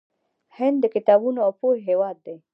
هند د کتابونو او پوهې هیواد دی.